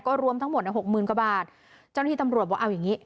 รวมทั้งหมดหกหมื่นกว่าบาทเจ้าหน้าที่ตำรวจบอกเอาอย่างงี้